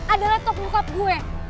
adalah tok nyokap gue